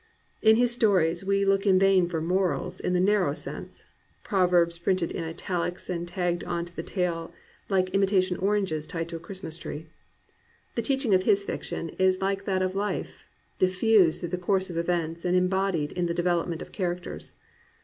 In his stories we look in vain for "morals" in the narrow sense, — ^proverbs printed in italics and tagged on to the tale like imitation oranges tied to a Christmas tree. The teaching of his fiction is like that of life, diffused through the course of events and embodied in the development of characters.